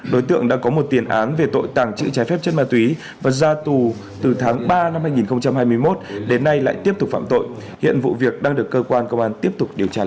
đối tượng đã có một tiền án về tội tàng trữ trái phép chất ma túy và ra tù từ tháng ba năm hai nghìn hai mươi một đến nay lại tiếp tục phạm tội hiện vụ việc đang được cơ quan công an tiếp tục điều tra làm rõ